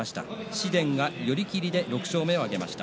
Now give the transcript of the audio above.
紫雷は寄り切りで６勝目を挙げました。